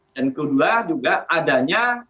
dan kedua juga adanya